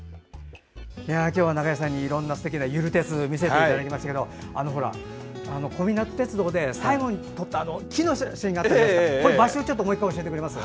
今日は中井さんにいろんなすてきなゆる鉄を見せていただきましたが小湊鐵道で最後に撮った木の写真の場所、もう１回教えてもらえますか？